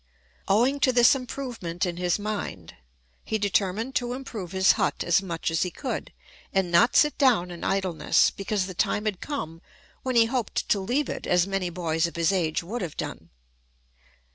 Owing to this improvement in his mind, he determined to improve his hut as much as he could, and not sit down in idleness, because the time had come when he hoped to leave it, as many boys of his age would have done.